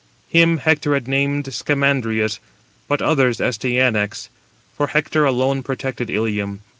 Him Hector had named Scamandrius, but others Astyanax; for Hector alone protected Ilium.